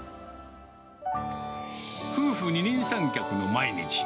夫婦二人三脚の毎日。